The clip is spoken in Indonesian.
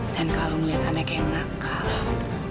dan kalau melihat anak anak yang nakal